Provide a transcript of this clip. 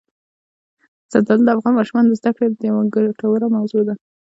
زردالو د افغان ماشومانو د زده کړې یوه ګټوره موضوع ده.